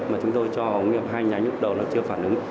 mà chúng tôi cho ống nghiệp hai nhánh ống đầu nó chưa phản ứng